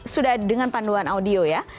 sudah dengan panduan audio ya